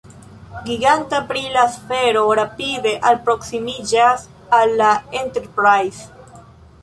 Giganta brila sfero rapide alproksimiĝas al la "Enterprise".